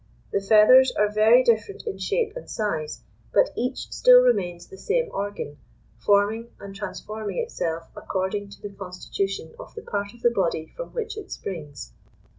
The feathers are very different in shape and size, but each still remains the same organ, forming and transforming itself according to the constitution of the part of the body from which it springs.